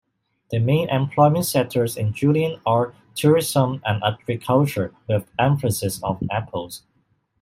The main employment sectors in Julian are: tourism and agriculture, with emphasis on apples.